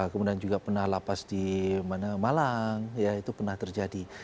kemudian juga pernah lapas di malang ya itu pernah terjadi